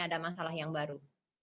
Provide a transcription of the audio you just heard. ada masalah yang baru